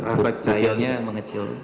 refleks cahayanya mengecil